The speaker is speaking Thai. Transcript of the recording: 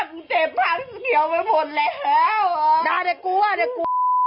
หน้ากูเจ็บครั้งเกี่ยวมาหมดแล้ว